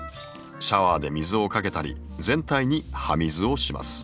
シャワーで水をかけたり全体に葉水をします。